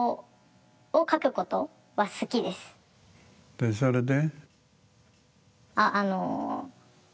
でそれで？